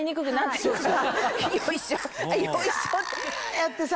やってさ。